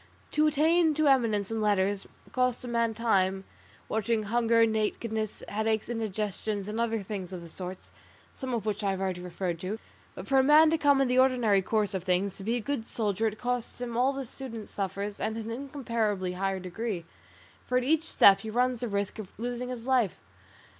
To attain to eminence in letters costs a man time, watching, hunger, nakedness, headaches, indigestions, and other things of the sort, some of which I have already referred to. But for a man to come in the ordinary course of things to be a good soldier costs him all the student suffers, and in an incomparably higher degree, for at every step he runs the risk of losing his life.